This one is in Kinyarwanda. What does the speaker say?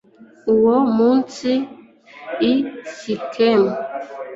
uwo munsi i sikemu